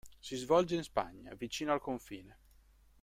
Si svolge in Spagna, vicino al confine.